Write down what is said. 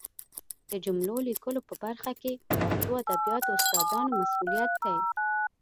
د جملو لیکلو په برخه کې د پښتو ادبیاتو استادانو مسؤلیت دی